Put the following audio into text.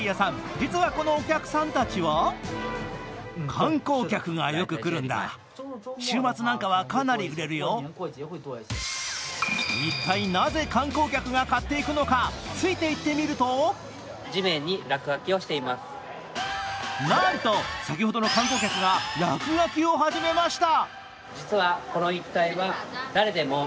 実はこのお客さんたちは一体なぜ観光客が買っていくのか、ついていってみるとなんと、先ほどの観光客が落書きを始めました。